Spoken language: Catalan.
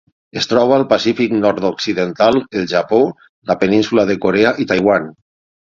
Es troba al Pacífic nord-occidental: el Japó, la península de Corea i Taiwan.